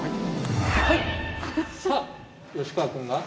さあ吉川君が？